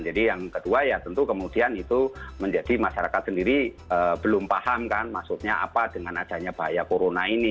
jadi yang kedua ya tentu kemudian itu menjadi masyarakat sendiri belum paham kan maksudnya apa dengan adanya bahaya corona ini